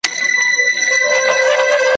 له پاپیو نه مي شرنګ د ګونګرو واخیست ,